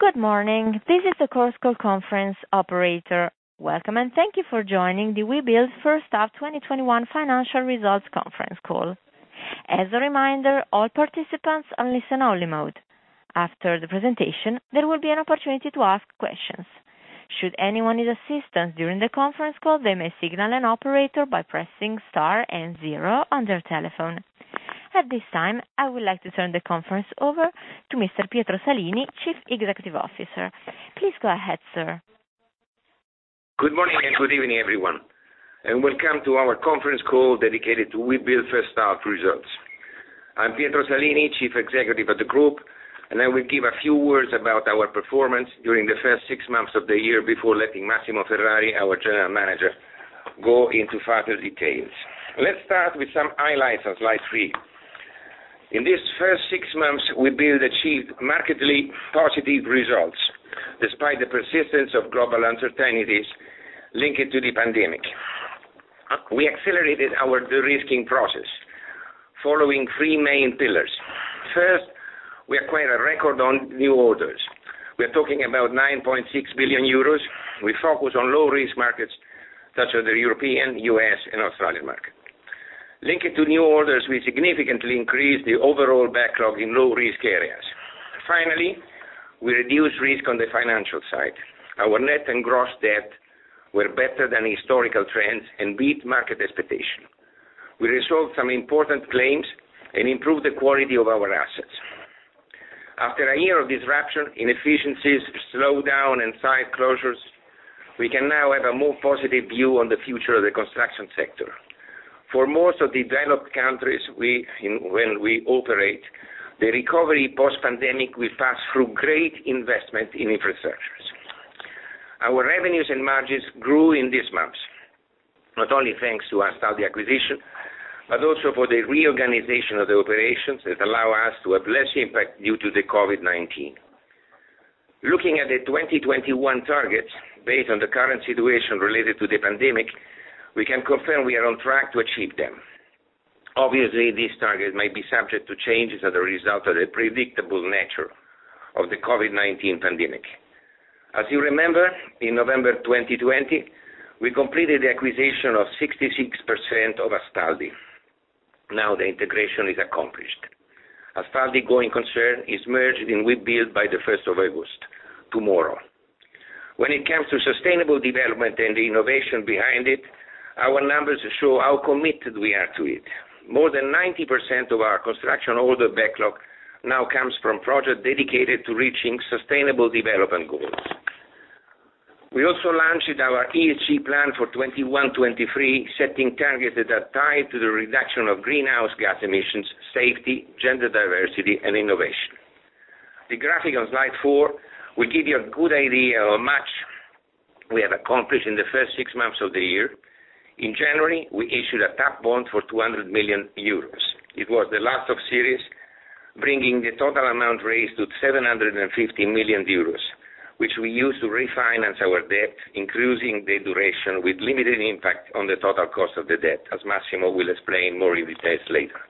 Good morning. This is the Chorus Call Conference operator. Welcome, and thank you for joining the Webuild first half 2021 financial results conference call. As a reminder, all participants are in listen-only mode. After the presentation, there will be an opportunity to ask questions. Should anyone need assistance during the conference call, they may signal an operator by pressing star and zero on their telephone. At this time, I would like to turn the conference over to Mr. Pietro Salini, Chief Executive Officer. Please go ahead, Sir. Good morning. Good evening, everyone. Welcome to our conference call dedicated to Webuild first half results. I'm Pietro Salini, Chief Executive of the group, and I will give a few words about our performance during the first six months of the year before letting Massimo Ferrari, our General Manager, go into further details. Let's start with some highlights on slide three. In these first six months, Webuild achieved markedly positive results, despite the persistence of global uncertainties linked to the pandemic. We accelerated our de-risking process, following three main pillars. First, we acquired a record on new orders. We're talking about 9.6 billion euros. We focus on low-risk markets, such as the European, U.S., and Australian market. Linked to new orders, we significantly increased the overall backlog in low-risk areas. Finally, we reduced risk on the financial side. Our net and gross debt were better than historical trends and beat market expectation. We resolved some important claims and improved the quality of our assets. After a year of disruption, inefficiencies, slowdown, and site closures, we can now have a more positive view on the future of the construction sector. For most of the developed countries where we operate, the recovery post-pandemic will pass through great investment in infrastructures. Our revenues and margins grew in these months, not only thanks to Astaldi acquisition, but also for the reorganization of the operations that allow us to have less impact due to the COVID-19. Looking at the 2021 targets, based on the current situation related to the pandemic, we can confirm we are on track to achieve them. Obviously, these targets may be subject to changes as a result of the predictable nature of the COVID-19 pandemic. As you remember, in November 2020, we completed the acquisition of 66% of Astaldi. Now the integration is accomplished. Astaldi going concern is merged in Webuild by the August 1st, tomorrow. When it comes to sustainable development and the innovation behind it, our numbers show how committed we are to it. More than 90% of our construction order backlog now comes from projects dedicated to reaching sustainable development goals. We also launched our ESG plan for 2021, 2023, setting targets that are tied to the reduction of greenhouse gas emissions, safety, gender diversity, and innovation. The graphic on slide four will give you a good idea of much we have accomplished in the first six months of the year. In January, we issued a tap bond for 200 million euros. It was the last of series, bringing the total amount raised to 750 million euros, which we used to refinance our debt, increasing the duration with limited impact on the total cost of the debt, as Massimo will explain more in details later.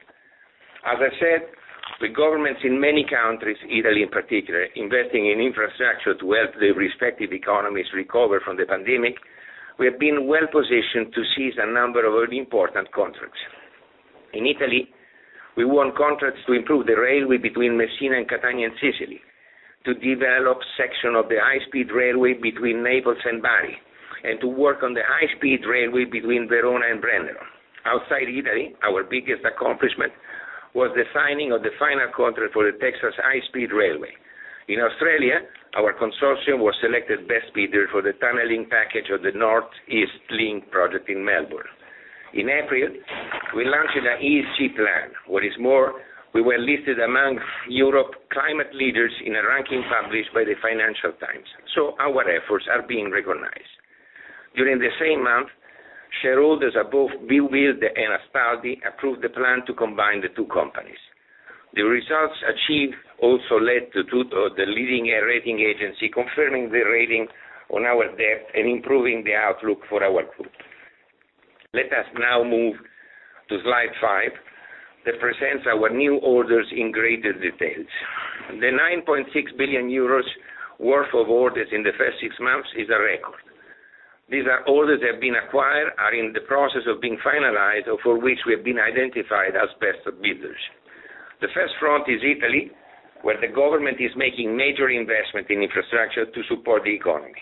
As I said, the governments in many countries, Italy in particular, investing in infrastructure to help the respective economies recover from the pandemic, we have been well-positioned to seize a number of important contracts. In Italy, we won contracts to improve the railway between Messina and Catania in Sicily, to develop section of the high-speed railway between Naples and Bari, and to work on the high-speed railway between Verona and Brenner. Outside Italy, our biggest accomplishment was the signing of the final contract for the Texas Central Railway. In Australia, our consortium was selected best bidder for the tunneling package of the North East Link project in Melbourne. In April, we launched an ESG plan. What is more, we were listed among Europe's Climate Leaders in a ranking published by the Financial Times, so our efforts are being recognized. During the same month, shareholders of both Webuild and Astaldi approved the plan to combine the two companies. The results achieved also led to the leading rating agency confirming the rating on our debt and improving the outlook for our group. Let us now move to slide five, that presents our new orders in greater details. The 9.6 billion euros worth of orders in the first six months is a record. These are orders that have been acquired, are in the process of being finalized, or for which we have been identified as best bidders. The first front is Italy, where the government is making major investment in infrastructure to support the economy.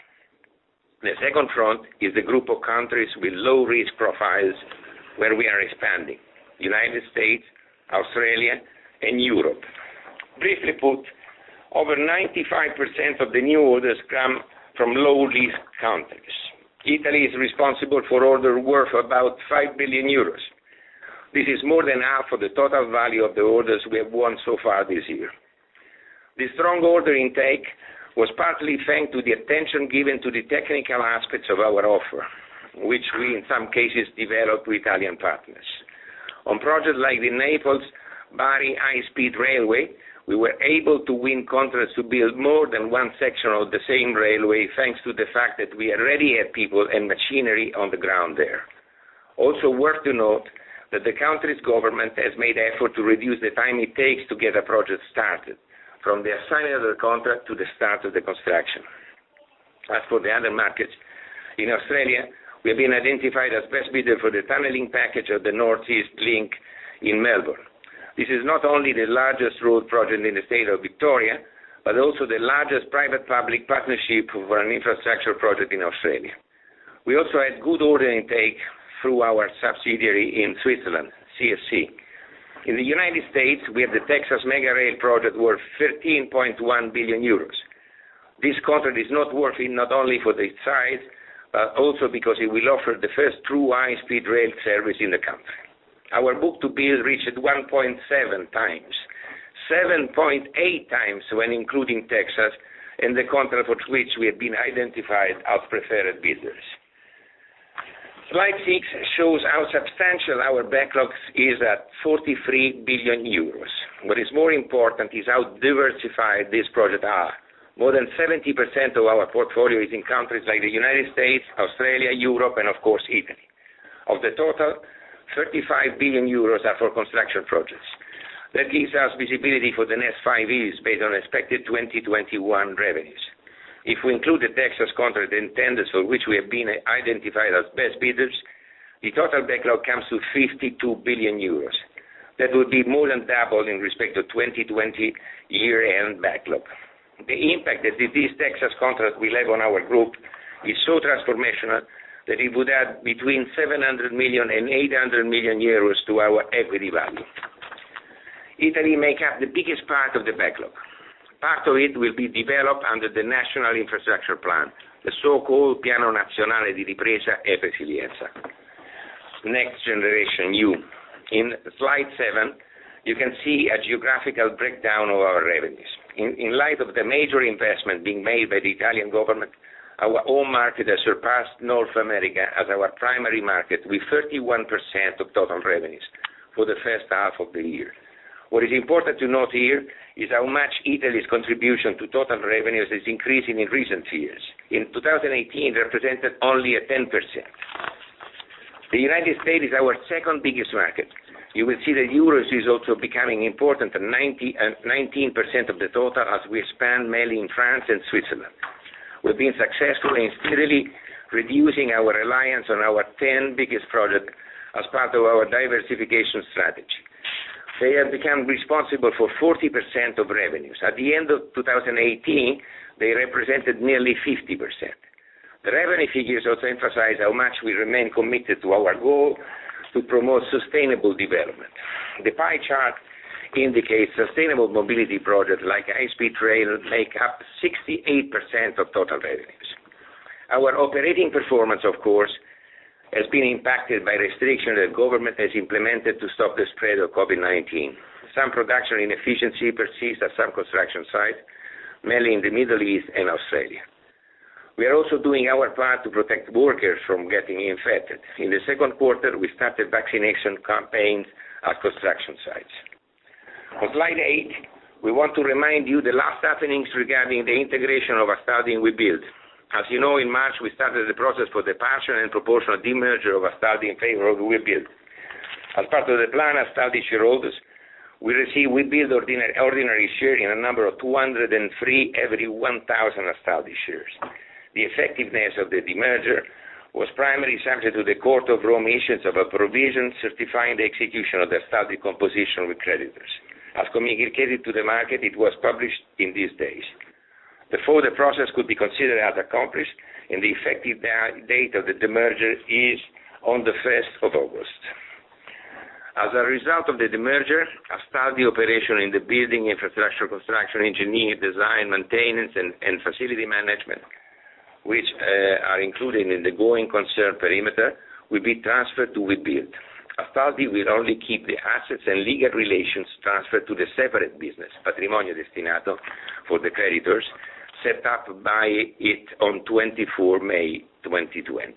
The second front is the group of countries with low-risk profiles where we are expanding, United States, Australia, and Europe. Briefly put, over 95% of the new orders come from low-risk countries. Italy is responsible for order worth about 5 billion euros. This is more than half of the total value of the orders we have won so far this year. The strong order intake was partly thanks to the attention given to the technical aspects of our offer, which we, in some cases, developed with Italian partners. On projects like the Naples-Bari high-speed railway, we were able to win contracts to build more than one section of the same railway, thanks to the fact that we already had people and machinery on the ground there. Also worth to note that the country's government has made effort to reduce the time it takes to get a project started, from the assigning of the contract to the start of the construction. As for the other markets, in Australia, we have been identified as best bidder for the tunneling package of the North East Link in Melbourne. This is not only the largest road project in the state of Victoria, but also the largest private-public partnership for an infrastructure project in Australia. We also had good order intake through our subsidiary in Switzerland, CSC Costruzioni. In the U.S., we have the Texas Central Railway worth 13.1 billion euros. This contract is not worthy not only for its size, but also because it will offer the first true high-speed rail service in the country. Our book-to-bill reached 1.7x, 7.8x when including Texas, and the contract for which we have been identified as preferred bidders. Slide six shows how substantial our backlogs is at 43 billion euros. What is more important is how diversified these projects are. More than 70% of our portfolio is in countries like the United States, Australia, Europe, and of course, Italy. Of the total, 35 billion euros are for construction projects. That gives us visibility for the next five years, based on expected 2021 revenues. If we include the Texas contract and tenders for which we have been identified as best bidders, the total backlog comes to 52 billion euros. That would be more than double in respect to 2020 year-end backlog. The impact that this Texas contract will have on our group is so transformational that it would add between 700 million and 800 million euros to our equity value. Italy make up the biggest part of the backlog. Part of it will be developed under the National Infrastructure Plan, the so-called Piano Nazionale di Ripresa e Resilienza. Next Generation EU. In slide seven, you can see a geographical breakdown of our revenues. In light of the major investment being made by the Italian government, our home market has surpassed North America as our primary market, with 31% of total revenues for the first half of the year. What is important to note here is how much Italy's contribution to total revenues is increasing in recent years. In 2018, represented only at 10%. The United States is our second biggest market. You will see that Europe is also becoming important, at 19% of the total, as we expand mainly in France and Switzerland. We've been successful in steadily reducing our reliance on our 10 biggest projects as part of our diversification strategy. They have become responsible for 40% of revenues. At the end of 2018, they represented nearly 50%. The revenue figures also emphasize how much we remain committed to our goal to promote sustainable development. The pie chart indicates sustainable mobility projects like high-speed rail make up 68% of total revenues. Our operating performance, of course, has been impacted by restrictions the government has implemented to stop the spread of COVID-19. Some production inefficiency persist at some construction sites, mainly in the Middle East and Australia. We are also doing our part to protect workers from getting infected. In the second quarter, we started vaccination campaigns at construction sites. On slide eight, we want to remind you the last happenings regarding the integration of Astaldi and Webuild. As you know, in March, we started the process for the partial and proportional demerger of Astaldi in favor of Webuild. As part of the plan, Astaldi shareholders will receive Webuild ordinary share in a number of 203 every 1,000 Astaldi shares. The effectiveness of the demerger was primarily subject to the Court of Rome issuance of a provision certifying the execution of the Astaldi composition with creditors. As communicated to the market, it was published in these days. Therefore, the process could be considered as accomplished, and the effective date of the demerger is on the August 1st. As a result of the demerger, Astaldi operation in the building, infrastructure construction, engineer, design, maintenance, and facility management, which are included in the going concern perimeter, will be transferred to Webuild. Astaldi will only keep the assets and legal relations transferred to the separate business, patrimonio destinato, for the creditors, set up by it on May 24, 2020.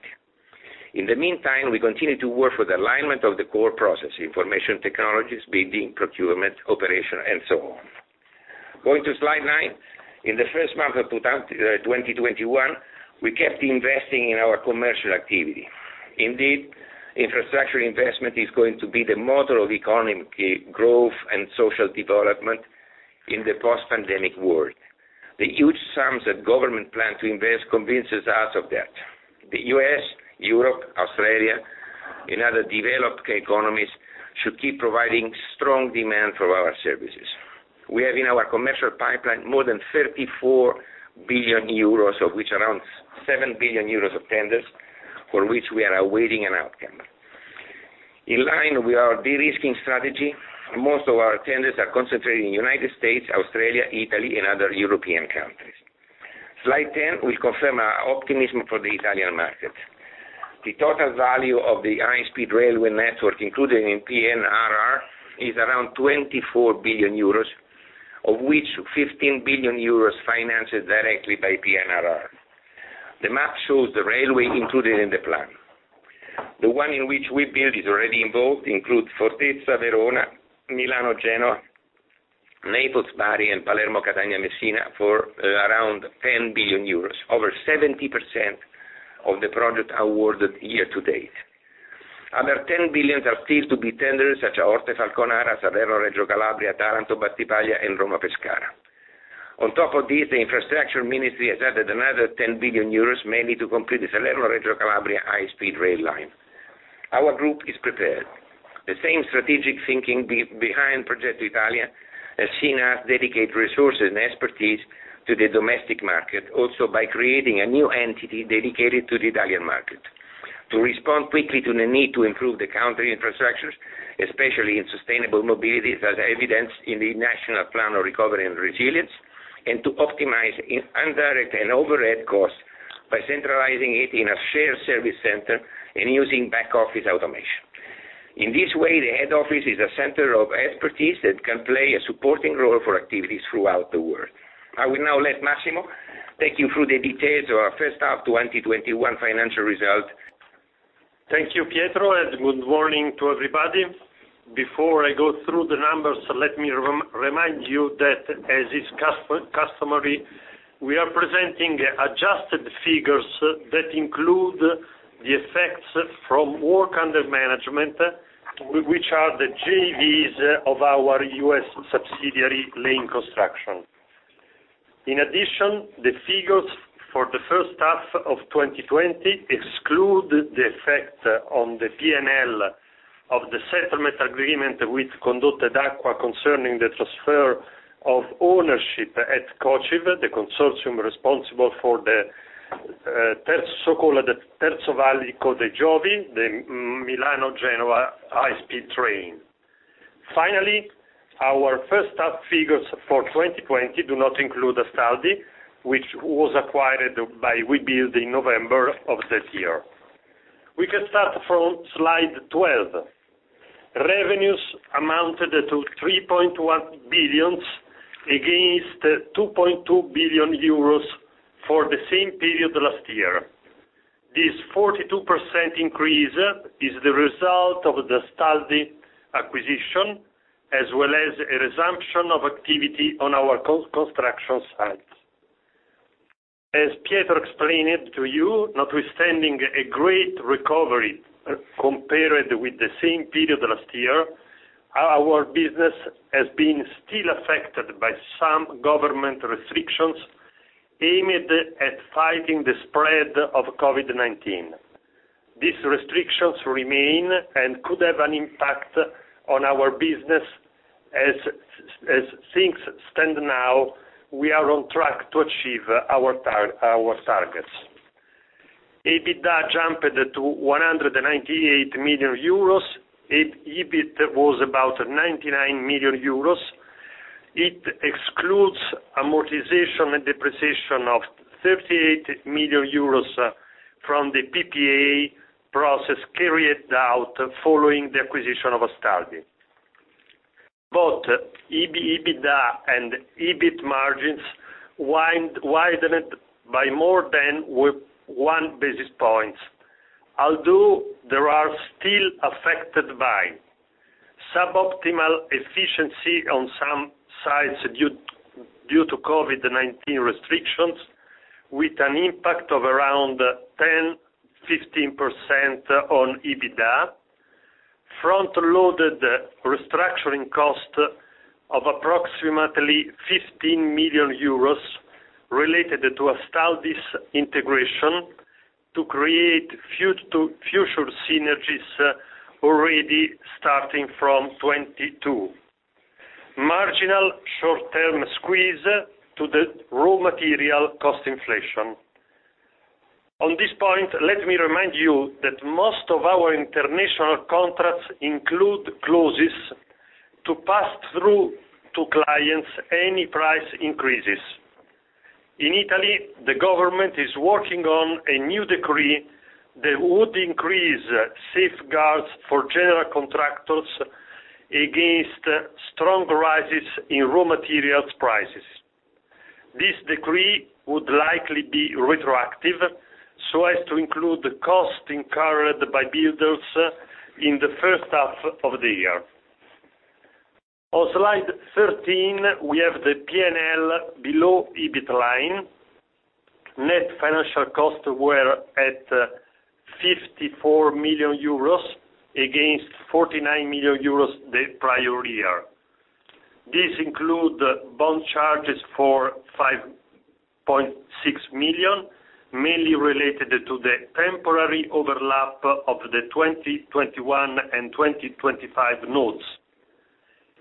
In the meantime, we continue to work for the alignment of the core process, information technologies, bidding, procurement, operation, and so on. Going to slide nine. In the first month of 2021, we kept investing in our commercial activity. Indeed, infrastructure investment is going to be the model of economic growth and social development in the post-pandemic world. The huge sums that government plan to invest convinces us of that. The U.S., Europe, Australia, and other developed economies should keep providing strong demand for our services. We have in our commercial pipeline more than 34 billion euros, of which around 7 billion euros of tenders, for which we are awaiting an outcome. In line with our de-risking strategy, most of our tenders are concentrated in the U.S., Australia, Italy, and other European countries. Slide 10 will confirm our optimism for the Italian market. The total value of the high-speed railway network included in PNRR is around 24 billion euros, of which 15 billion euros financed directly by PNRR. The map shows the railway included in the plan. The one in which Webuild is already involved includes Fortezza Verona, Milano Genova, Naples, Bari, and Palermo, Catania, Messina for around 10 billion euros. Over 70% of the project awarded year to date. Other 10 billion are still to be tendered, such as Orte-Falconara, Salerno-Reggio Calabria, Taranto-Battipaglia, and Roma-Pescara. On top of this, the Infrastructure Ministry has added another 10 billion euros, mainly to complete the Salerno-Reggio Calabria high-speed rail line. Our group is prepared. The same strategic thinking behind Progetto Italia has seen us dedicate resources and expertise to the domestic market, also by creating a new entity dedicated to the Italian market. To respond quickly to the need to improve the country infrastructures, especially in sustainable mobilities, as evidenced in the National Plan of Recovery and Resilience, and to optimize in indirect and overhead costs by centralizing it in a shared service center and using back office automation. In this way, the head office is a center of expertise that can play a supporting role for activities throughout the world. I will now let Massimo take you through the details of our first half 2021 financial result. Thank you, Pietro, Good morning to everybody. Before I go through the numbers, let me remind you that as is customary, we are presenting adjusted figures that include the effects from work under management, which are the JVs of our U.S. subsidiary, Lane Construction. In addition, the figures for the first half of 2020 exclude the effect on the P&L of the settlement agreement with Condotte d'Acqua concerning the transfer of ownership at Cociv, the consortium responsible for the so-called Terzo Valico dei Giovi, the Milano-Genoa high-speed train. Finally, our first half figures for 2020 do not include Astaldi, which was acquired by Webuild in November of that year. We can start from slide 12. Revenues amounted to 3.1 billion against 2.2 billion euros for the same period last year. This 42% increase is the result of the Astaldi acquisition, as well as a resumption of activity on our construction sites. As Pietro explained to you, notwithstanding a great recovery compared with the same period last year, our business has been still affected by some government restrictions aimed at fighting the spread of COVID-19. These restrictions remain and could have an impact on our business. As things stand now, we are on track to achieve our targets. EBITDA jumped to 198 million euros. EBIT was about 99 million euros. It excludes amortization and depreciation of 38 million euros from the PPA process carried out following the acquisition of Astaldi. Both EBITDA and EBIT margins widened by more than one basis point, although they are still affected by suboptimal efficiency on some sites due to COVID-19 restrictions, with an impact of around 10%-15% on EBITDA, front-loaded restructuring cost of approximately 15 million euros related to Astaldi's integration to create future synergies already starting from 2022. Marginal short-term squeeze to the raw material cost inflation. On this point, let me remind you that most of our international contracts include clauses to pass through to clients any price increases. In Italy, the government is working on a new decree that would increase safeguards for general contractors against strong rises in raw materials prices. This decree would likely be retroactive, so as to include the cost incurred by builders in the first half of the year. On slide 13, we have the P&L below EBIT line. Net financial costs were at 54 million euros against 49 million euros the prior year. This include bond charges for 5.6 million, mainly related to the temporary overlap of the 2021 and 2025 notes.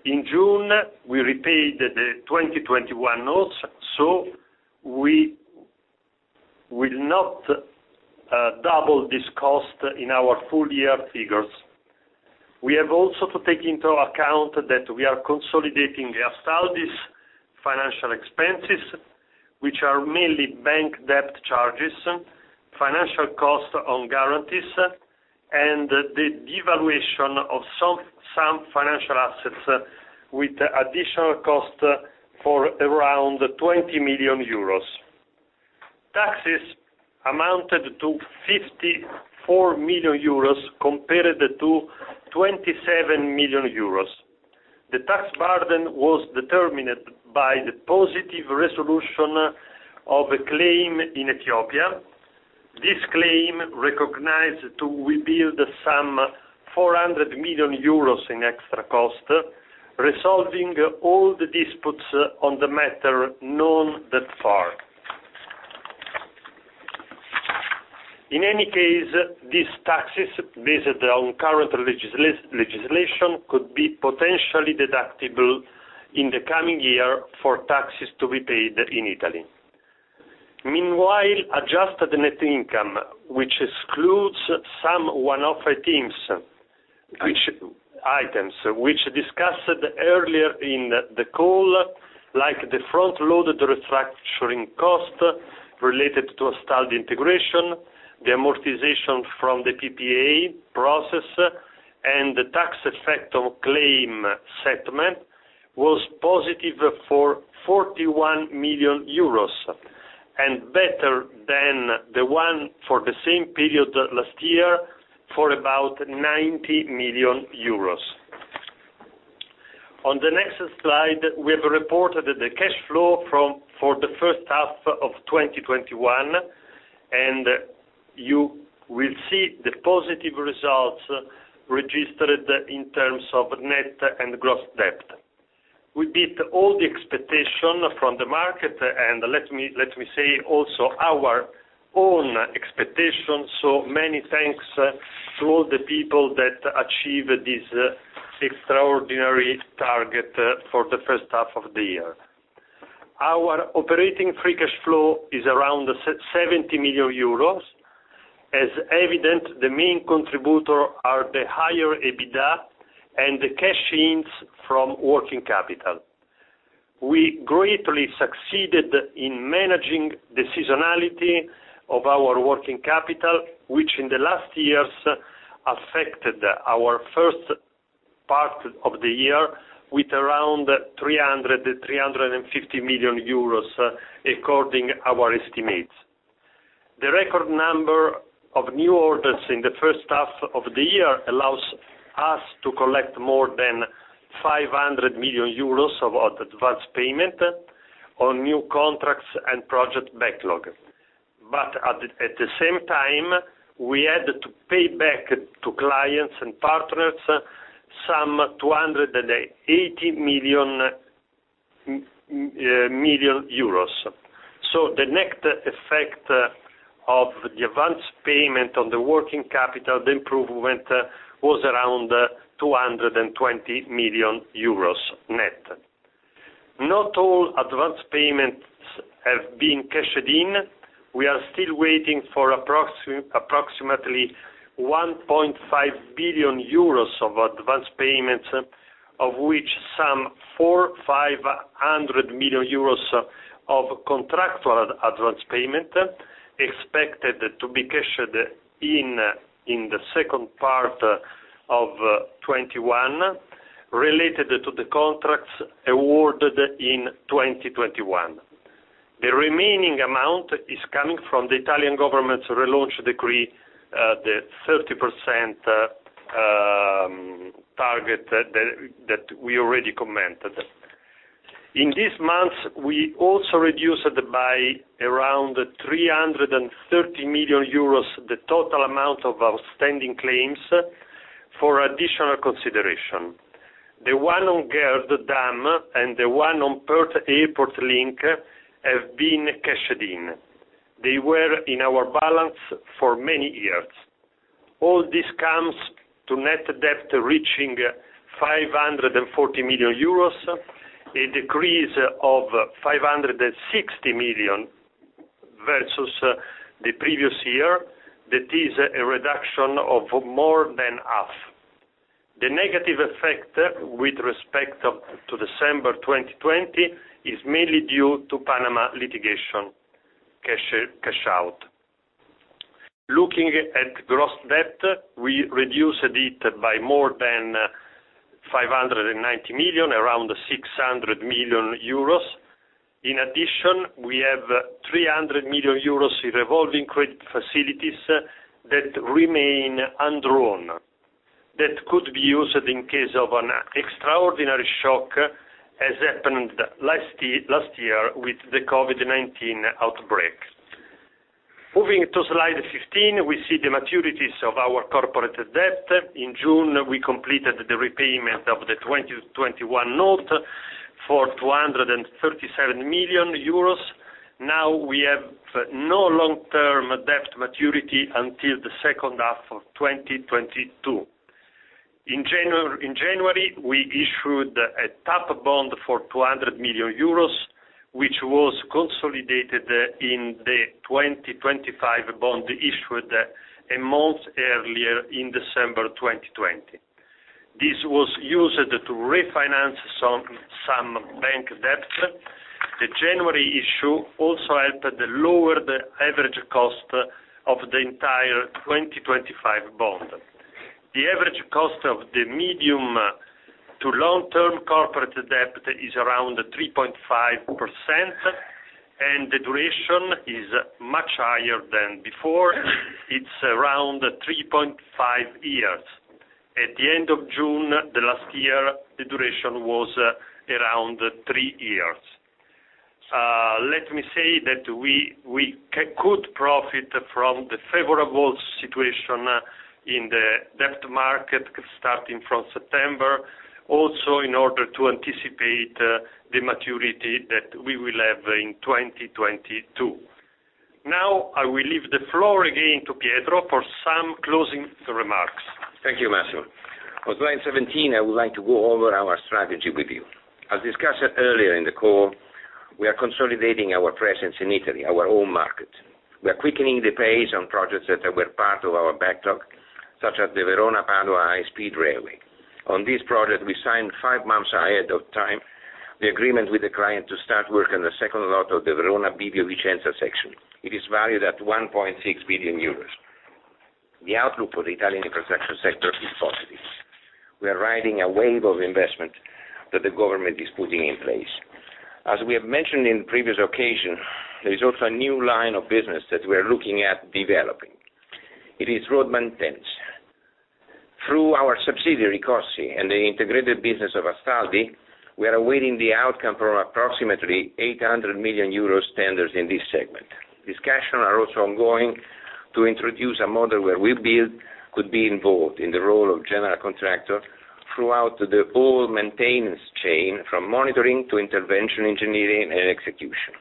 In June, we repaid the 2021 notes. We will not double this cost in our full year figures. We have also to take into account that we are consolidating Astaldi's financial expenses, which are mainly bank debt charges, financial cost on guarantees, and the devaluation of some financial assets with additional cost for around 20 million euros. Taxes amounted to 54 million euros compared to 27 million euros. The tax burden was determined by the positive resolution of a claim in Ethiopia. This claim recognized to Webuild some 400 million euros in extra cost, resolving all the disputes on the matter known thus far. In any case, these taxes, based on current legislation, could be potentially deductible in the coming year for taxes to be paid in Italy. Meanwhile, adjusted net income, which excludes some one-off items, which discussed earlier in the call, like the front-loaded restructuring cost related to Astaldi integration, the amortization from the PPA process, and the tax effect on claim settlement, was positive for 41 million euros, and better than the one for the same period last year, for about 90 million euros. On the next slide, we have reported the cash flow for the first half of 2021, and you will see the positive results registered in terms of net and gross debt. We beat all the expectation from the market, and let me say also, our own expectations. Many thanks to all the people that achieved this extraordinary target for the first half of the year. Our operating free cash flow is around 70 million euros. As evident, the main contributor are the higher EBITDA and the cash-ins from working capital. We greatly succeeded in managing the seasonality of our working capital, which in the last years affected our first part of the year, with around 300 million-350 million euros, according our estimates. The record number of new orders in the first half of the year allows us to collect more than 500 million euros of advance payment on new contracts and project backlog. At the same time, we had to pay back to clients and partners some EUR 280 million. The net effect of the advance payment on the working capital improvement was around 220 million euros net. Not all advance payments have been cashed in. We are still waiting for approximately 1.5 billion euros of advance payments, of which some 400 million euros, 500 million euros of contractual advance payment, expected to be cashed in the second part of 2021, related to the contracts awarded in 2021. The remaining amount is coming from the Italian government's relaunch decree, the 30% target that we already commented. In this month, we also reduced by around 330 million euros, the total amount of outstanding claims for additional consideration. The one on GERD Dam and the one on Forrestfield-Airport Link have been cashed in. They were in our balance for many years. All this comes to net debt reaching 540 million euros, a decrease of 560 million versus the previous year. That is a reduction of more than half. The negative effect with respect to December 2020, is mainly due to Panama litigation cash out. Looking at gross debt, we reduced it by more than 590 million, around 600 million euros. In addition, we have 300 million euros in revolving credit facilities that remain undrawn, that could be used in case of an extraordinary shock, as happened last year with the COVID-19 outbreak. Moving to slide 15, we see the maturities of our corporate debt. In June, we completed the repayment of the 2021 note for 237 million euros. Now we have no long-term debt maturity until the second half of 2022. In January, we issued a tap bond for 200 million euros, which was consolidated in the 2025 bond issued a month earlier in December 2020. This was used to refinance some bank debt. The January issue also helped lower the average cost of the entire 2025 bond. The average cost of the medium to long term, corporate debt is around 3.5%, and the duration is much higher than before. It's around 3.5 years. At the end of June last year, the duration was around three years. Let me say that we could profit from the favorable situation in the debt market, starting from September, also in order to anticipate the maturity that we will have in 2022. Now, I will leave the floor again to Pietro for some closing remarks. Thank you, Massimo. On slide 17, I would like to go over our strategy with you. As discussed earlier in the call, we are consolidating our presence in Italy, our home market. We are quickening the pace on projects that were part of our backlog, such as the Verona-Padua high-speed railway. On this project, we signed five months ahead of time the agreement with the client to start work on the second lot of the Verona-Vicenza section. It is valued at 1.6 billion euros. The outlook for the Italian infrastructure sector is positive. We are riding a wave of investment that the government is putting in place. As we have mentioned in previous occasion, there is also a new line of business that we are looking at developing. It is road maintenance. Through our subsidiary, Cossi Costruzioni, and the integrated business of Astaldi, we are awaiting the outcome from approximately 800 million euro tenders in this segment. Discussions are also ongoing to introduce a model where Webuild could be involved in the role of general contractor throughout the whole maintenance chain, from monitoring to intervention engineering and execution.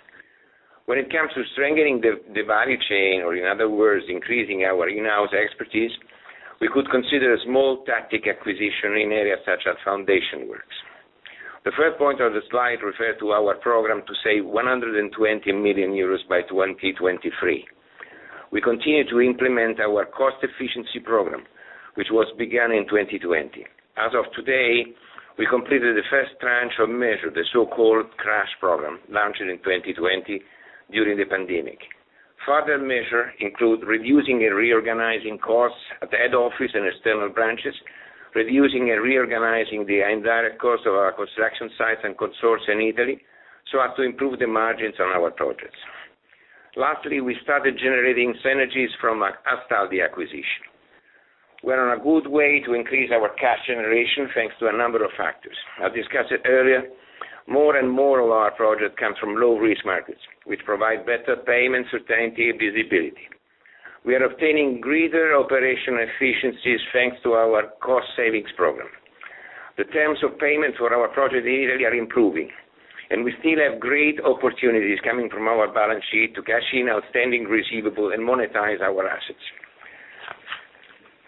When it comes to strengthening the value chain, or in other words, increasing our in-house expertise, we could consider a small tactical acquisition in areas such as foundation works. The third point of the slide refers to our program to save 120 million euros by 2023. We continue to implement our cost efficiency program, which was began in 2020. As of today, we completed the first tranche of measures, the so-called crash program, launched in 2020 during the pandemic. Further measure include reducing and reorganizing costs at the head office and external branches, reducing and reorganizing the indirect cost of our construction sites and consortia in Italy, so as to improve the margins on our projects. Lastly, we started generating synergies from our Astaldi acquisition. We are on a good way to increase our cash generation, thanks to a number of factors. As discussed earlier, more and more of our project comes from low-risk markets, which provide better payment certainty and visibility. We are obtaining greater operational efficiencies, thanks to our cost savings program. The terms of payments for our projects in Italy are improving, and we still have great opportunities coming from our balance sheet to cash in outstanding receivables and monetize our assets.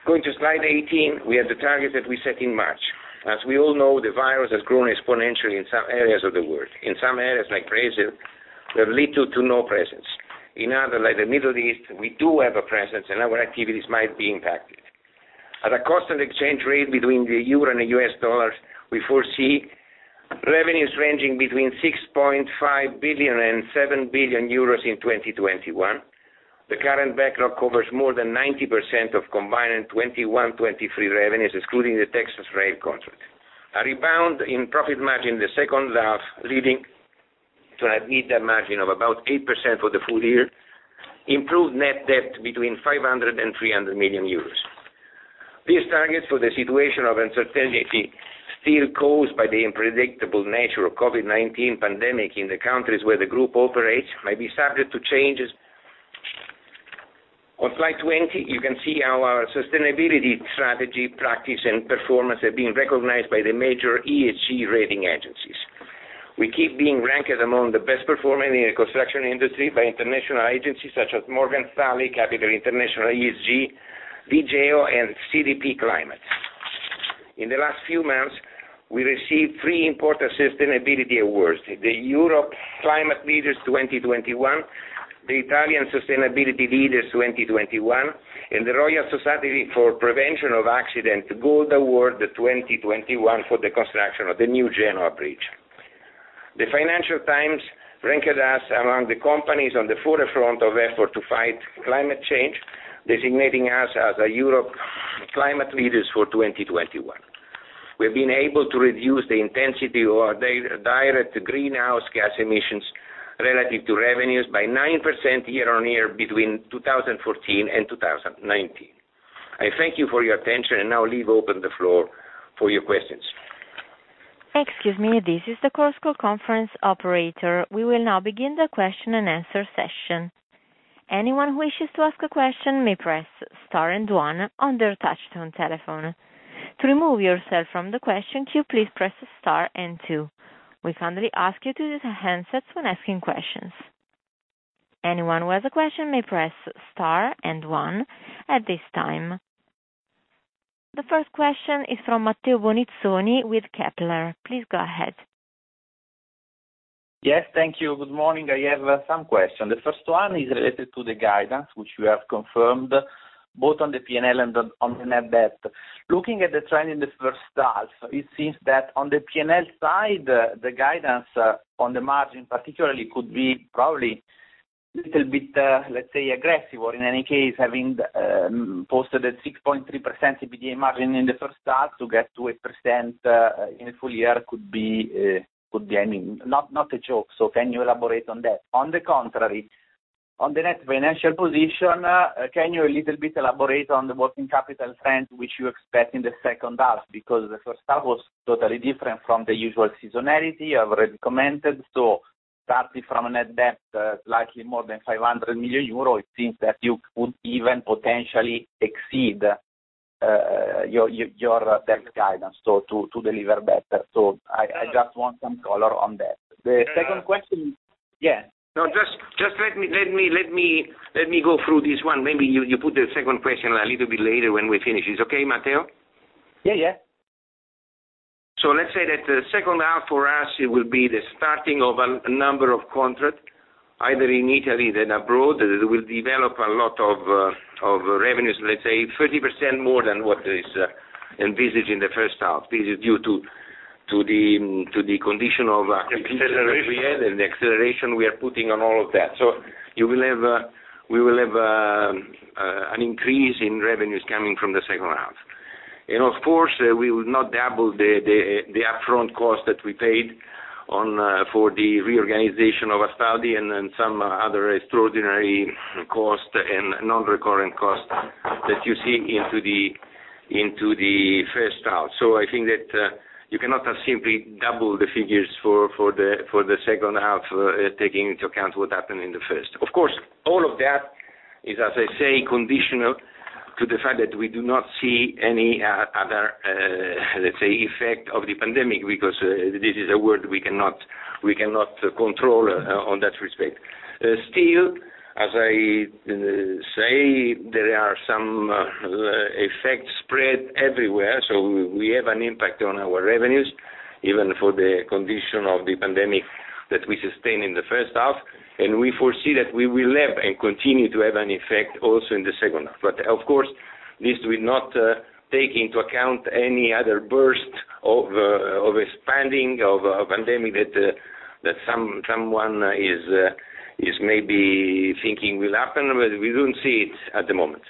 Going to slide 18, we have the targets that we set in March. As we all know, the virus has grown exponentially in some areas of the world. In some areas, like Brazil, we have little to no presence. In others, like the Middle East, we do have a presence, and our activities might be impacted. At a constant exchange rate between the euro and the U.S. dollar, we foresee revenues ranging between 6.5 billion and 7 billion euros in 2021. The current backlog covers more than 90% of combined 2021, 2023 revenues, excluding the Texas Rail contract. A rebound in profit margin in the second half, leading to an EBITDA margin of about 8% for the full year. Improved net debt between 500 million euros and 300 million euros. These targets, for the situation of uncertainty still caused by the unpredictable nature of COVID-19 pandemic in the countries where the group operates, might be subject to changes. On slide 20, you can see our sustainability strategy practice and performance have been recognized by the major ESG rating agencies. We keep being ranked among the best performing in the construction industry by international agencies such as Morgan Stanley, Capital International, ESG, Vigeo, and CDP Climate. In the last few months, we received three important sustainability awards, the Europe's Climate Leaders 2021, the Italian Sustainability Leaders 2021, and the Royal Society for the Prevention of Accidents Gold Award 2021 for the construction of the new Genoa bridge. The Financial Times ranked us among the companies on the forefront of effort to fight climate change, designating us as a Europe's Climate Leaders for 2021. We've been able to reduce the intensity of our direct greenhouse gas emissions relative to revenues by 9% year-over-year between 2014 and 2019. I thank you for your attention and now leave open the floor for your questions. Excuse me, this is the Chorus Call Conference operator. We will now begin the question and answer session. Anyone whos wishes to ask a question may press star and one on their touchtone telephone. To remove yourself from the question queue, please press star and two. We kindly ask you to use a handset when asking questions. Anyone who has a question may press star and one at this time. The first question is from Matteo Bonizzoni with Kepler. Please go ahead. Yes, thank you. Good morning. I have some questions. The first one is related to the guidance which you have confirmed both on the P&L and on the net debt. Looking at the trend in the first half, it seems that on the P&L side, the guidance on the margin particularly could be probably little bit, let's say, aggressive, or in any case, having posted a 6.3% EBITDA margin in the first half to get to 8% in a full year could be, I mean, not a joke. Can you elaborate on that? On the contrary, on the net financial position, can you a little bit elaborate on the working capital trend, which you expect in the second half? Because the first half was totally different from the usual seasonality, you have already commented. Starting from a net debt, slightly more than 500 million euros, it seems that you could even potentially exceed your debt guidance, to deliver better. I just want some color on that. The second question. Yeah. Just let me go through this one. Maybe you put the second question a little bit later when we finish. Is okay, Matteo? Yeah. Let's say that the second half for us, it will be the starting of a number of contracts, either in Italy then abroad, that will develop a lot of revenues, let's say 30% more than what is envisaged in the first half. This is due to the condition of- Acceleration That we had and the acceleration we are putting on all of that. We will have an increase in revenues coming from the second half. Of course, we will not double the upfront cost that we paid for the reorganization of Astaldi and then some other extraordinary cost and non-recurrent cost that you see into the first half. I think that you cannot simply double the figures for the second half, taking into account what happened in the first. All of that is, as I say, conditional to the fact that we do not see any other, let's say, effect of the pandemic, because this is a world we cannot control on that respect. As I say, there are some effects spread everywhere, we have an impact on our revenues, even for the condition of the pandemic that we sustain in the first half. We foresee that we will have and continue to have an effect also in the second half. Of course, this will not take into account any other burst of expanding of a pandemic that someone is maybe thinking will happen, but we don't see it at the moment.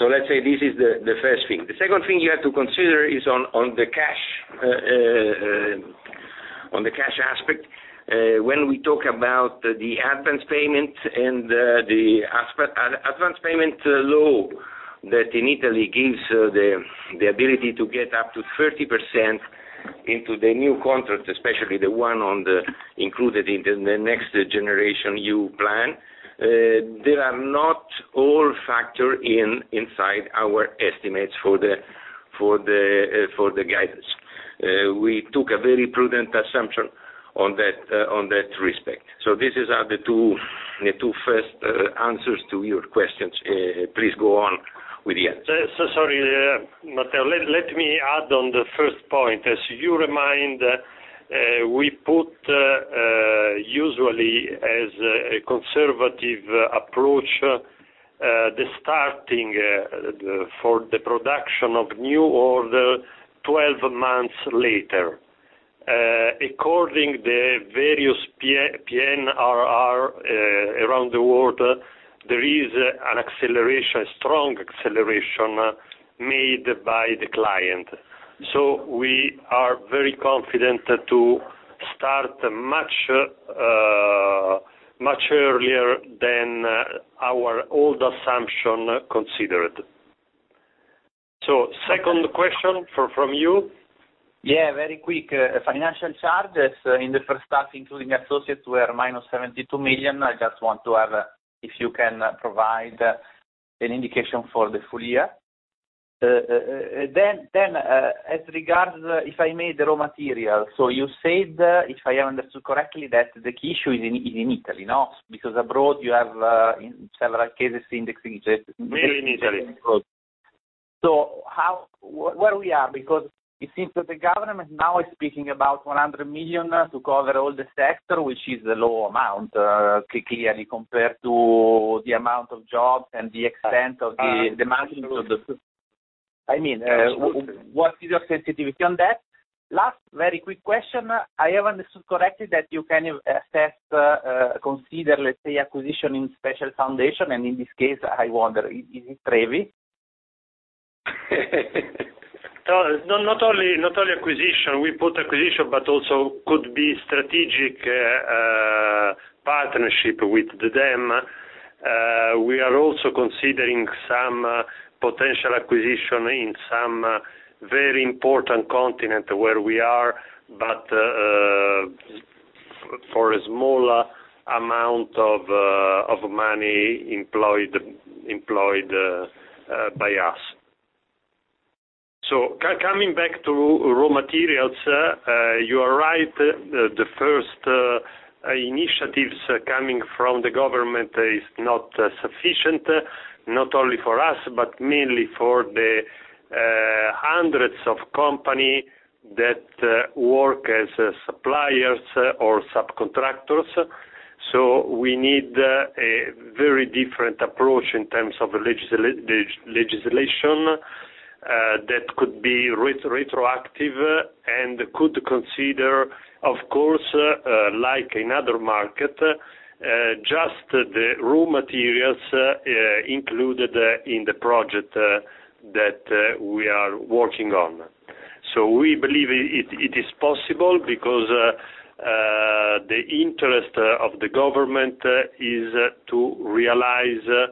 Let's say this is the first thing. The second thing you have to consider is on the cash aspect. When we talk about the advance payment law that in Italy gives the ability to get up to 30% into the new contract, especially the one included in the Next Generation E.U. plan. They are not all factored in inside our estimates for the guidance. We took a very prudent assumption on that respect. These are the two first answers to your questions. Please go on with the others. Sorry, Matteo. Let me add on the first point. As you remind, we put usually as a conservative approach, the starting for the production of new order 12 months later. According the various PNRR around the world, there is a strong acceleration made by the client. We are very confident to start much earlier than our old assumption considered. Second question from you. Yeah, very quick. Financial charges in the first half, including associates, were minus 72 million. I just want to have, if you can provide, an indication for the full year. As regards if I made raw material. You said, if I understood correctly, that the key issue is in Italy, no? Abroad you have, in several cases, indexing- Really in Italy. Where we are, because it seems that the government now is speaking about 100 million to cover all the sector, which is a low amount, clearly, compared to the amount of jobs and the extent of the margin. What is your sensitivity on that? Last very quick question. I have understood correctly that you can assess, consider, let's say, acquisition in special foundation, and in this case, I wonder, is it Trevi? No, not only acquisition. We put acquisition, but also could be strategic partnership with them. We are also considering some potential acquisition in some very important continent where we are, but, for a small amount of money employed by us. Coming back to raw materials, you are right. The first initiatives coming from the government is not sufficient, not only for us, but mainly for the hundreds of companies that work as suppliers or subcontractors. We need a very different approach in terms of legislation. That could be retroactive and could consider, of course, like in other market, just the raw materials included in the project that we are working on. We believe it is possible, because the interest of the government is to realize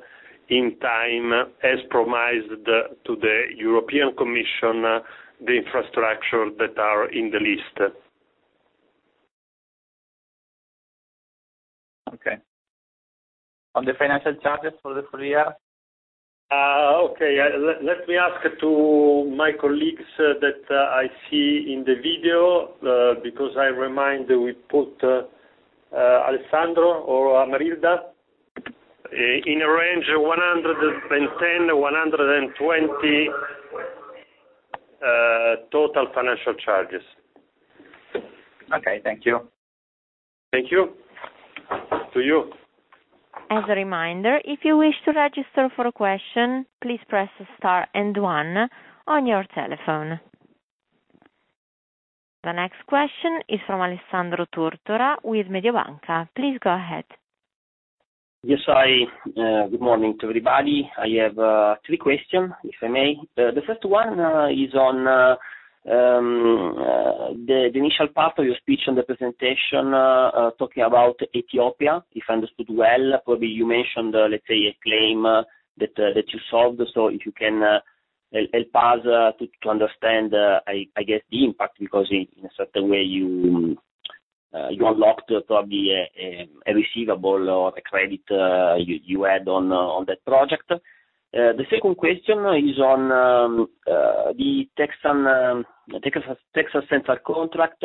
in time, as promised to the European Commission, the infrastructure that are in the list. Okay. On the financial charges for the full year? Okay. Let me ask to my colleagues that I see in the video, because I remind we put Alessandro or Amarilda. In a range of 110-120 total financial charges. Okay. Thank you. Thank you. To you. As a reminder, if you wish to register for a question, please press star and one on your telephone. The next question is from Alessandro Tortora with Mediobanca. Please go ahead. Yes. Good morning to everybody. I have three questions, if I may. The first one is on the initial part of your speech on the presentation, talking about Ethiopia. If I understood well, probably you mentioned, let's say, a claim that you solved. If you can help us to understand, I guess, the impact, because in a certain way you unlocked probably a receivable or a credit you had on that project. The second question is on the Texas Central contract.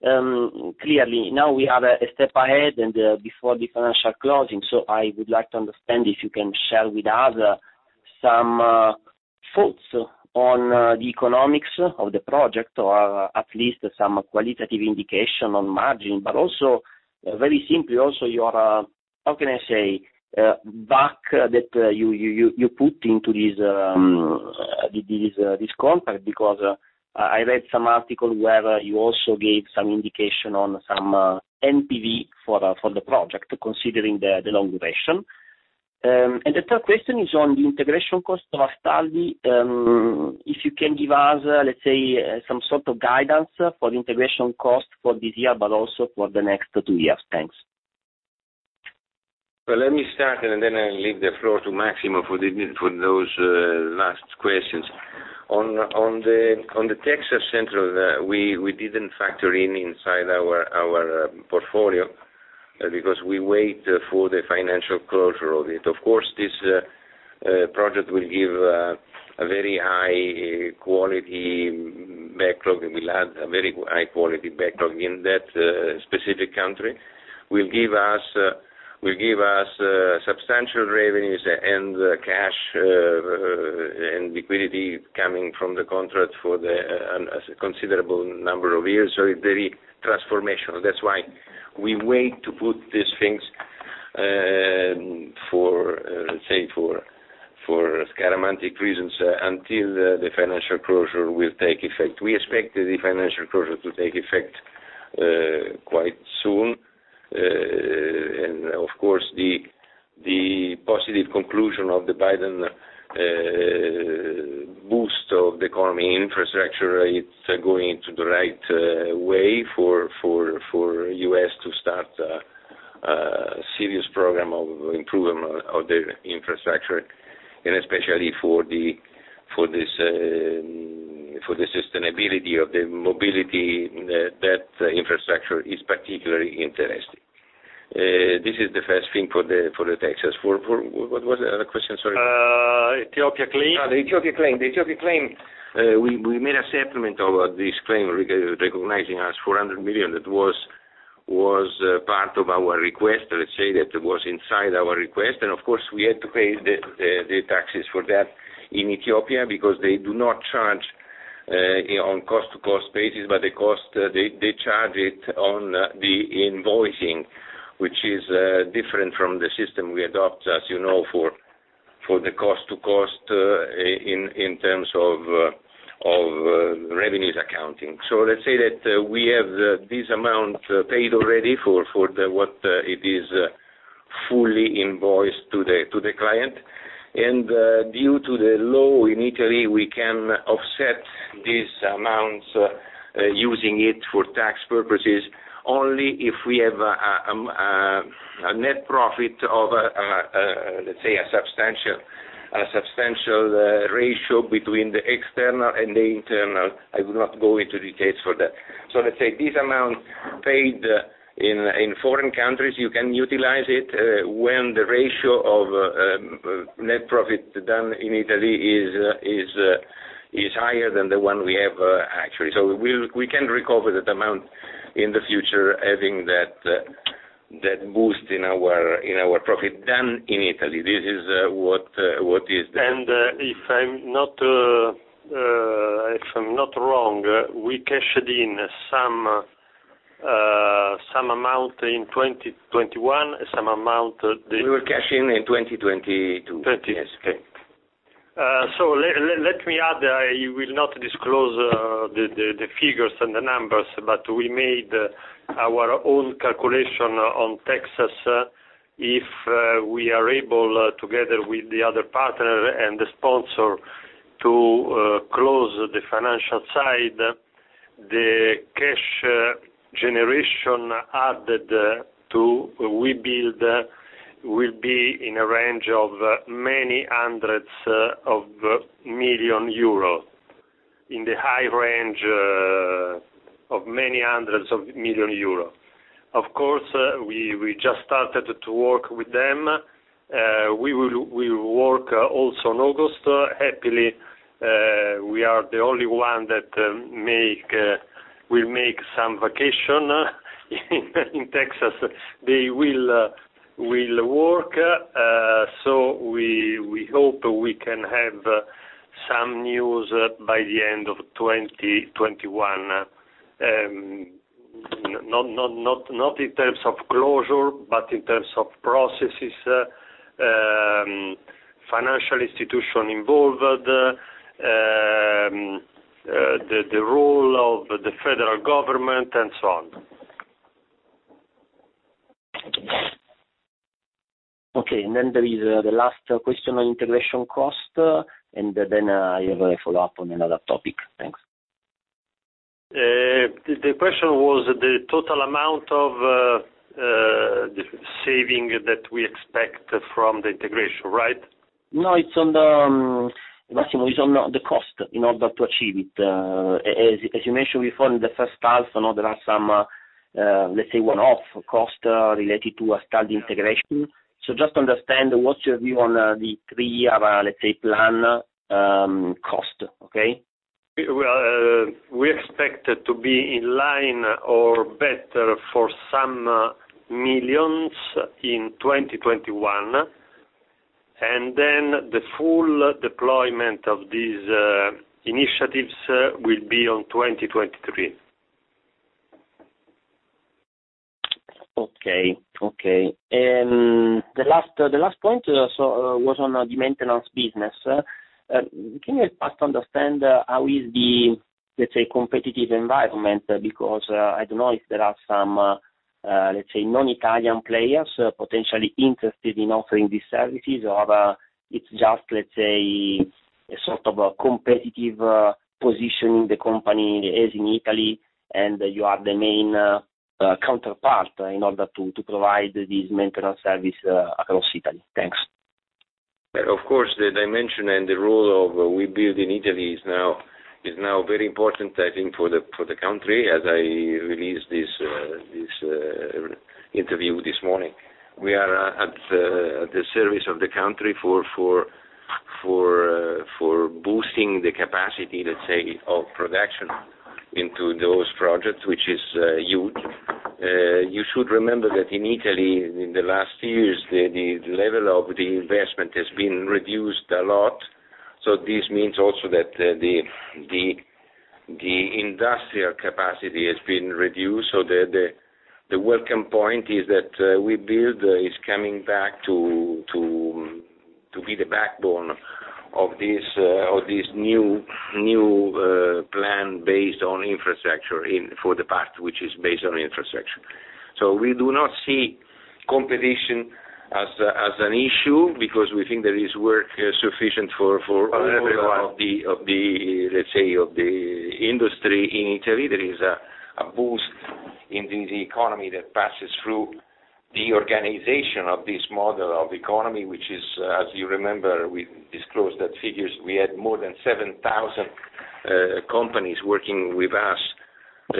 Clearly, now we are a step ahead and before the financial closing. I would like to understand if you can share with us some thoughts on the economics of the project, or at least some qualitative indication on margin, but also very simply, also your, how can I say, back that you put into this contract, because I read some article where you also gave some indication on some NPV for the project, considering the long duration. The third question is on the integration cost of Astaldi. If you can give us, let's say, some sort of guidance for the integration cost for this year, but also for the next two years. Thanks. Let me start and then I leave the floor to Massimo for those last questions. Texas Central, we didn't factor in inside our portfolio, because we wait for the financial closure of it. This project will give a very high quality backlog, in that specific country. Will give us substantial revenues and cash and liquidity coming from the contract for a considerable number of years. It's very transformational. That's why we wait to put these things, let's say, for scaramantic reasons, until the financial closure will take effect. We expect the financial closure to take effect quite soon. The positive conclusion of the Biden boost of the economy infrastructure, it's going to the right way for U.S. to start a serious program of improvement of their infrastructure, and especially for the sustainability of the mobility, that infrastructure is particularly interesting. This is the first thing for the Texas. What was the other question? Sorry. Ethiopia claim. The Ethiopia claim. We made a settlement over this claim, recognizing as 400 million. That was part of our request, let's say, that was inside our request. Of course, we had to pay the taxes for that in Ethiopia, because they do not charge on cost-to-cost basis, but they charge it on the invoicing, which is different from the system we adopt, as you know, for the cost to cost in terms of revenues accounting. Let's say that we have this amount paid already for what it is fully invoiced to the client. Due to the law in Italy, we can offset these amounts, using it for tax purposes, only if we have a net profit of, let's say, a substantial ratio between the external and the internal. I will not go into details for that. Let's say this amount paid in foreign countries, you can utilize it when the ratio of net profit done in Italy is higher than the one we have actually. We can recover that amount in the future, having that boost in our profit done in Italy. If I'm not wrong, we cashed in some amount in 2021, some amount. We will cash in in 2022. 2022, okay. Let me add, I will not disclose the figures and the numbers, but we made our own calculation on Texas. If we are able, together with the other partner and the sponsor, to close the financial side, the cash generation added to Webuild, will be in the high range of many hundreds of million euro. Of course, we just started to work with them. We will work also in August. Happily, we are the only one that will make some vacation in Texas. They will work. We hope we can have some news by the end of 2021. Not in terms of closure, but in terms of processes, financial institution involved, the role of the federal government and so on. Okay. There is the last question on integration cost. I have a follow-up on another topic. Thanks. The question was the total amount of the saving that we expect from the integration, right? No, Massimo, it's on the cost in order to achieve it. As you mentioned before, in the first half, there are some, let's say, one-off cost related to Astaldi integration. Just to understand, what's your view on the three-year plan cost, okay? We expect to be in line or better for some millions in 2021. The full deployment of these initiatives will be on 2023. The last point, so was on the maintenance business. Can you help us to understand how is the, let's say, competitive environment? I don't know if there are some, let's say, non-Italian players potentially interested in offering these services, or it's just, let's say, a sort of a competitive position the company has in Italy and you are the main counterpart in order to provide these maintenance service across Italy. Thanks. Of course, the dimension and the role of Webuild in Italy is now very important, I think for the country, as I released this interview this morning. We are at the service of the country for boosting the capacity, let's say, of production into those projects, which is huge. You should remember that in Italy, in the last years, the level of the investment has been reduced a lot. This means also that the industrial capacity has been reduced. The welcome point is that Webuild is coming back to be the backbone of this new plan based on infrastructure, for the part which is based on infrastructure. We do not see competition as an issue, because we think there is work sufficient for all of the industry in Italy. There is a boost in the economy that passes through the organization of this model of economy, which is, as you remember, we disclosed that figures, we had more than 7,000 companies working with us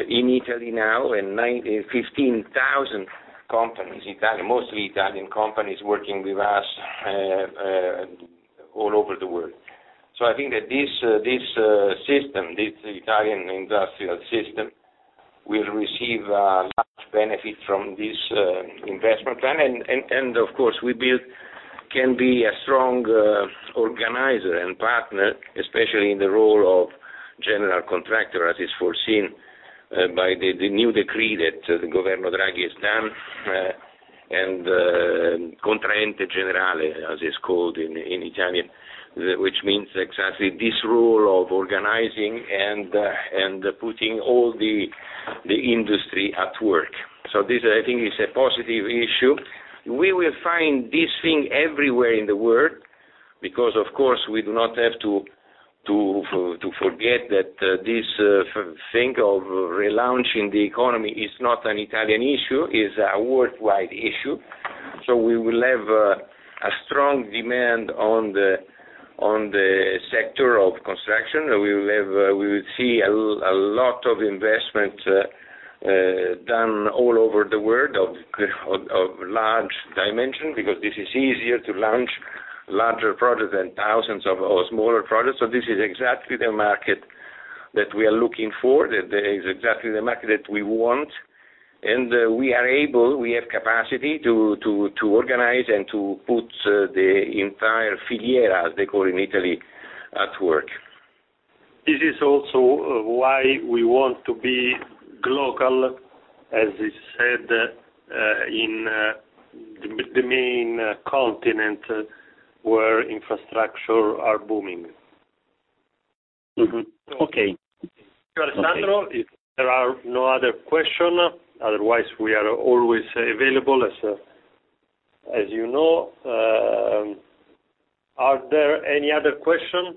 in Italy now, and 15,000 companies, mostly Italian companies, working with us all over the world. I think that this system, this Italian industrial system, will receive a large benefit from this investment plan. Of course, Webuild can be a strong organizer and partner, especially in the role of general contractor, as is foreseen by the new decree that the Governo Draghi has done, and "contraente generale," as it's called in Italian, which means exactly this role of organizing and putting all the industry at work. This, I think, is a positive issue. We will find this thing everywhere in the world, because of course, we do not have to forget that this thing of relaunching the economy is not an Italian issue, is a worldwide issue. We will have a strong demand on the sector of construction. We will see a lot of investment done all over the world of large dimension, because this is easier to launch larger projects than thousands of smaller projects. This is exactly the market that we are looking for. That is exactly the market that we want. We are able, we have capacity to organize and to put the entire filiera, as they call in Italy, at work. This is also why we want to be local, as is said, in the main continent where infrastructure are booming. Mm-hmm. Okay. Thank you, Alessandro. If there are no other questions, otherwise, we are always available, as you know. Are there any other questions?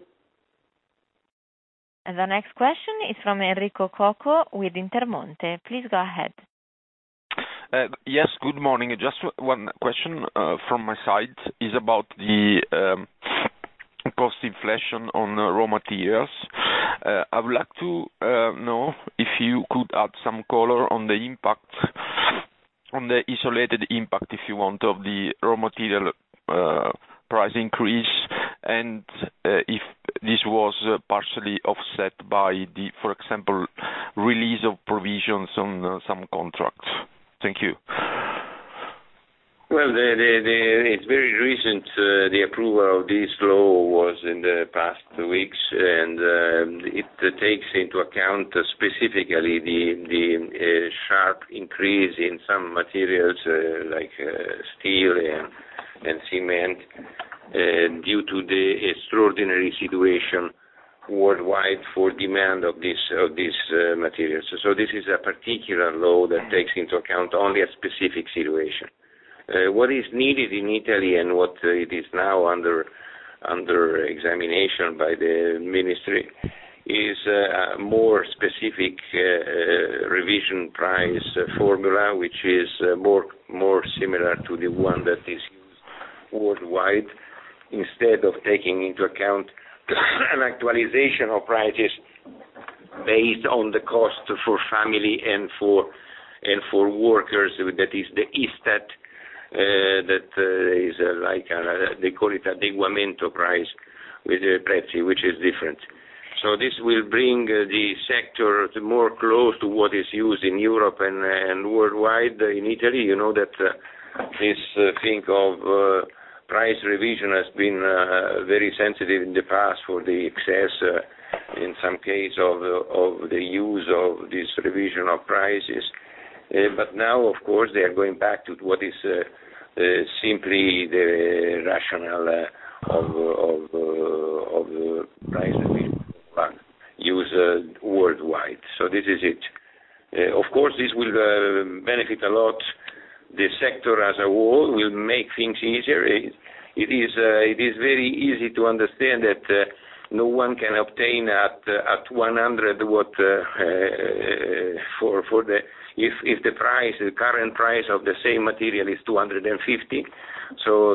The next question is from Enrico Coco with Intermonte. Please go ahead. Yes, good morning. Just one question from my side is about the cost inflation on raw materials. I would like to know if you could add some color on the isolated impact, if you want, of the raw material price increase, and if this was partially offset by the, for example, release of provisions on some contracts. Thank you. It's very recent. The approval of this law was in the past weeks. It takes into account specifically the sharp increase in some materials, like steel and cement, due to the extraordinary situation worldwide for demand of these materials. This is a particular law that takes into account only a specific situation. What is needed in Italy and what it is now under examination by the ministry is a more specific revision price formula, which is more similar to the one that is used worldwide. Instead of taking into account an actualization of prices based on the cost for family and for workers, that is the Istat, they call it adeguamento prezzi, with the prezzi, which is different. This will bring the sector more close to what is used in Europe and worldwide. In Italy, you know that this thing of price revision has been very sensitive in the past for the excess, in some case, of the use of this revision of prices. Now, of course, they are going back to what is simply the rationale of price revision used worldwide. This is it. Of course, this will benefit a lot. The sector as a whole will make things easier. It is very easy to understand that no one can obtain at 100, if the current price of the same material is 250.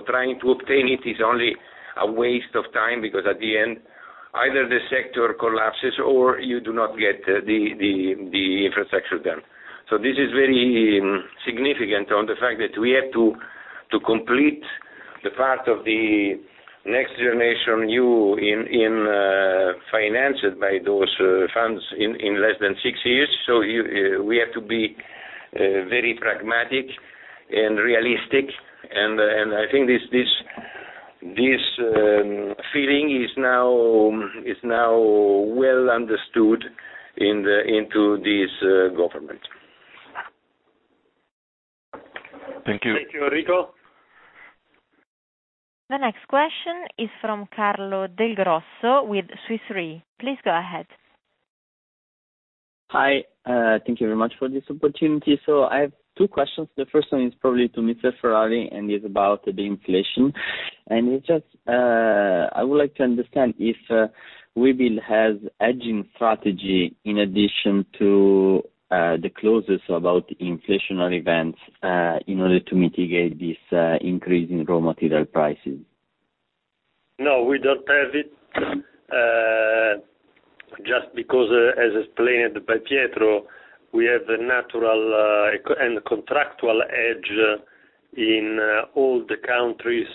Trying to obtain it is only a waste of time, because at the end, either the sector collapses or you do not get the infrastructure done. This is very significant on the fact that we have to complete the part of the Next Generation E.U. financed by those funds in less than six years. We have to be very pragmatic and realistic, and I think this feeling is now well understood into this government. Thank you. Thank you, Enrico. The next question is from Carlo Del Grosso with Swiss Re. Please go ahead. Hi. Thank you very much for this opportunity. I have two questions. The first one is probably to Mr. Ferrari and is about the inflation. I would like to understand if Webuild has hedging strategy in addition to the clauses about inflationary events, in order to mitigate this increase in raw material prices. No, we don't have it. Just because, as explained by Pietro, we have a natural and contractual hedge in all the countries,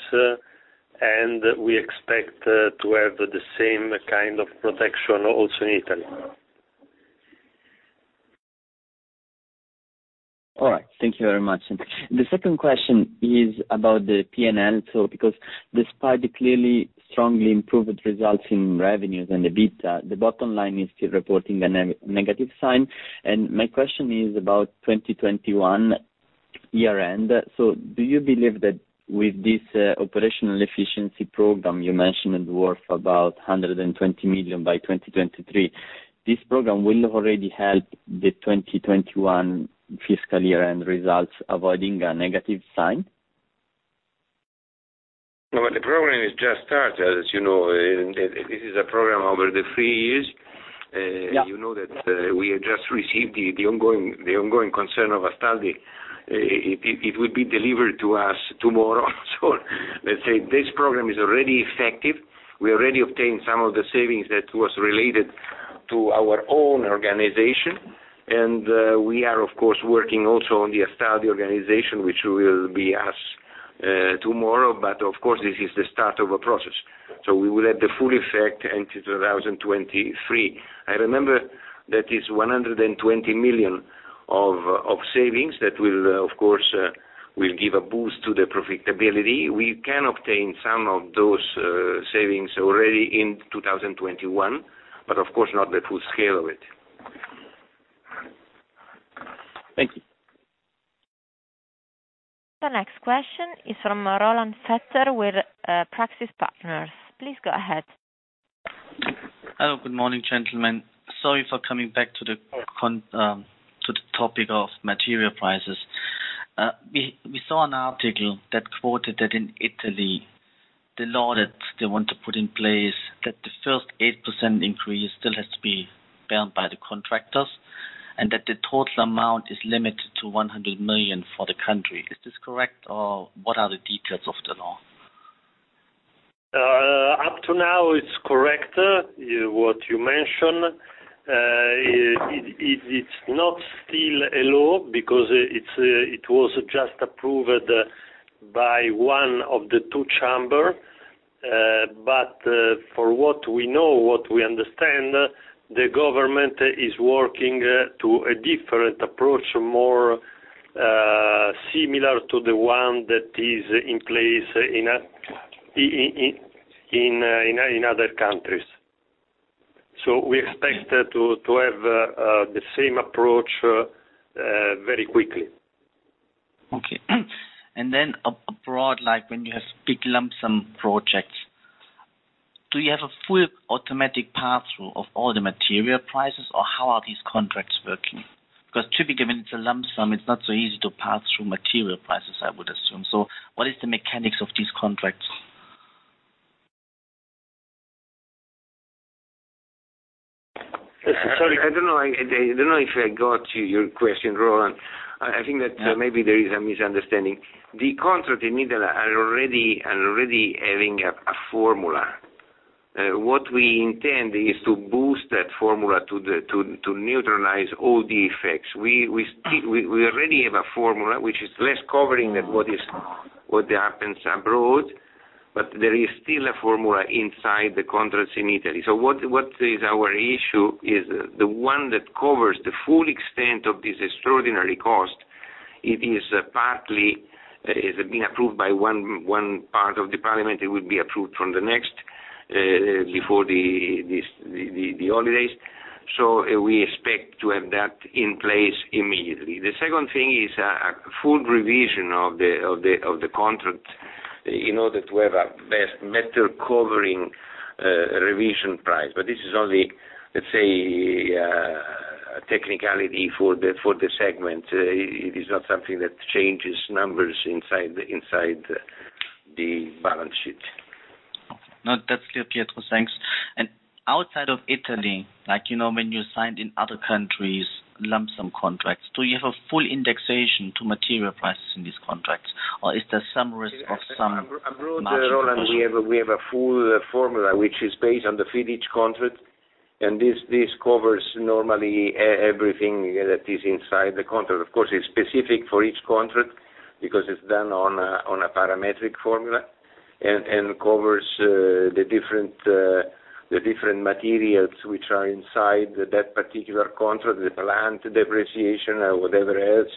and we expect to have the same kind of protection also in Italy. All right. Thank you very much. The second question is about the P&L. Because despite the clearly strongly improved results in revenues and the EBITDA, the bottom line is still reporting a negative sign. My question is about 2021 year-end. Do you believe that with this operational efficiency program you mentioned, worth about 120 million by 2023, this program will already help the 2021 fiscal year-end results, avoiding a negative sign? No, the program is just started, as you know. This is a program over the three years. Yeah. You know that we just received the ongoing concern of Astaldi. It will be delivered to us tomorrow. Let's say this program is already effective. We already obtained some of the savings that was related to our own organization, and we are, of course, working also on the Astaldi organization, which will be ours tomorrow. Of course, this is the start of a process, so we will have the full effect until 2023. I remember that this 120 million of savings that will, of course, give a boost to the profitability. We can obtain some of those savings already in 2021, but of course not the full scale of it. Thank you. The next question is from Roland Vetter with Praxis Partners. Please go ahead. Hello. Good morning, gentlemen. Sorry for coming back to the topic of material prices. We saw an article that quoted that in Italy, the law that they want to put in place, that the first 8% increase still has to be borne by the contractors, and that the total amount is limited to 100 million for the country. Is this correct, or what are the details of the law? Up to now, it's correct what you mentioned. It is not still a law because it was just approved by one of the two chambers. From what we know, what we understand, the government is working to a different approach, more similar to the one that is in place in other countries. We expect to have the same approach very quickly. Okay. Then abroad, when you have big lump sum projects, do you have a full automatic pass-through of all the material prices, or how are these contracts working? Typically, when it's a lump sum, it's not so easy to pass through material prices, I would assume. What is the mechanics of these contracts? Sorry, I don't know if I got your question, Roland. I think that maybe there is a misunderstanding. The contracts in Italy are already having a formula. What we intend is to boost that formula to neutralize all the effects. We already have a formula, which is less covering than what happens abroad, there is still a formula inside the contracts in Italy. What is our issue is the one that covers the full extent of this extraordinary cost, it is partly being approved by one part of the parliament. It will be approved from the next, before the holidays. We expect to have that in place immediately. The second thing is a full revision of the contract in order to have a best metal covering revision price. This is only, let's say, a technicality for the segment. It is not something that changes numbers inside the balance sheet. No, that's clear, Pietro. Thanks. Outside of Italy, when you signed in other countries lump sum contracts, do you have a full indexation to material prices in these contracts, or is there some risk of some margin reduction? Abroad, Roland, we have a full formula, which is based on the FIDIC contract, and this covers normally everything that is inside the contract. Of course, it's specific for each contract because it's done on a parametric formula and covers the different materials which are inside that particular contract, the plant depreciation or whatever else.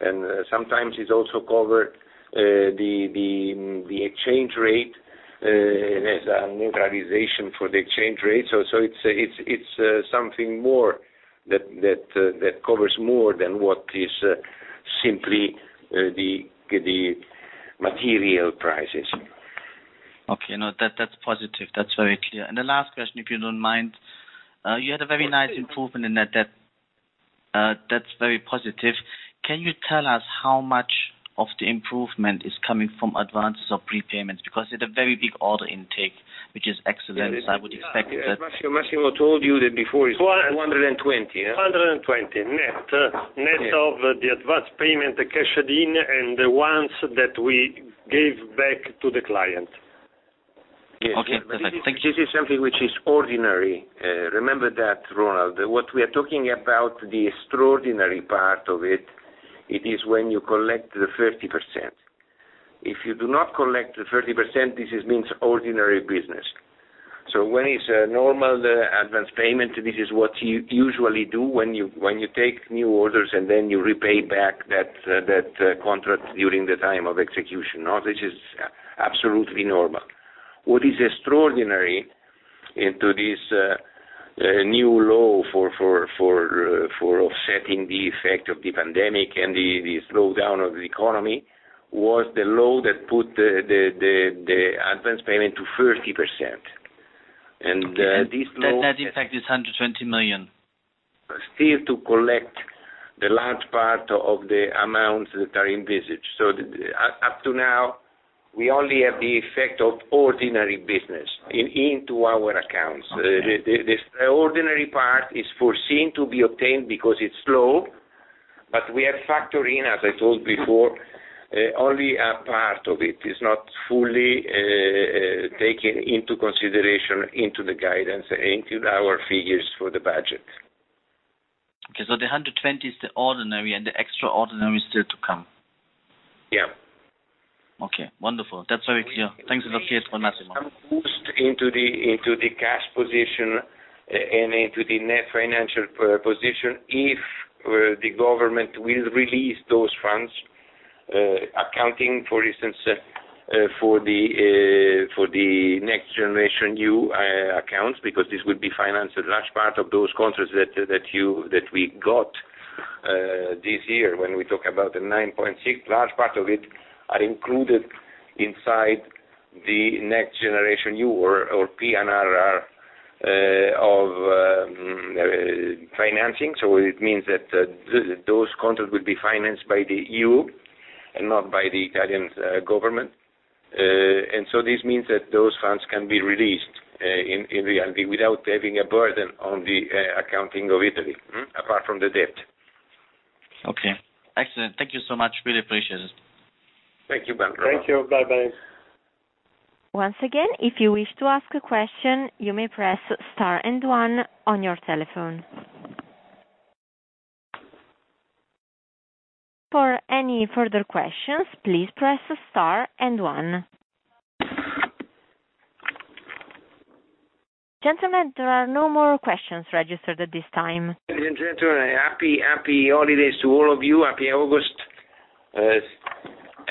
And sometimes it also covers the exchange rate. There's a neutralization for the exchange rate. It's something more that covers more than what is simply the material prices. Okay. No, that's positive. That's very clear. The last question, if you don't mind. You had a very nice improvement in net debt. That's very positive. Can you tell us how much of the improvement is coming from advances of prepayments? It's a very big order intake, which is excellent, as I would expect with that. As Massimo told you before. 120. 120 net. Okay. Net of the advanced payment, the cash in, and the ones that we gave back to the client. Okay. Perfect. Thank you. This is something which is ordinary. Remember that, Roland. What we are talking about, the extraordinary part of it is when you collect the 30%. If you do not collect the 30%, this means ordinary business. When it's a normal advanced payment, this is what you usually do when you take new orders and then you repay back that contract during the time of execution. Now, this is absolutely normal. What is extraordinary into this new law for offsetting the effect of the pandemic and the slowdown of the economy, was the law that put the advanced payment to 30%. That impact is 120 million. Still to collect the large part of the amounts that are envisaged. Up to now, we only have the effect of ordinary business into our accounts. Okay. The extraordinary part is foreseen to be obtained because it's slow, we are factoring, as I told you before, only a part of it. It's not fully taken into consideration into the guidance and into our figures for the budget. Okay. The 120 is the ordinary, and the extraordinary is still to come. Yeah. Okay. Wonderful. That's very clear. Thanks a lot, Pietro and Massimo. Some boost into the cash position and into the net financial position, if the government will release those funds, accounting, for instance, for the Next Generation E.U. accounts, because this would be financed. A large part of those contracts that we got this year, when we talk about the 9.6, a large part of it are included inside the Next Generation E.U. or PNRR of financing. It means that those contracts will be financed by the E.U. and not by the Italian government. This means that those funds can be released in reality without having a burden on the accounting of Italy, apart from the debt. Okay. Excellent. Thank you so much. Really appreciate it. Thank you, Roland. Thank you. Bye-bye. Once again, if you wish to ask a question, you may press star and one on your telephone. For any further questions, please press star and one. Gentlemen, there are no more questions registered at this time. Ladies and gentlemen, happy holidays to all of you. Happy August.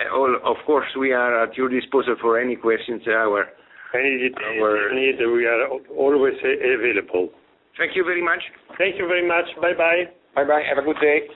Of course, we are at your disposal for any questions. Any need, we are always available. Thank you very much. Thank you very much. Bye-bye. Bye-bye. Have a good day.